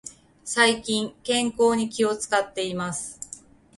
最近、健康に気を使っています。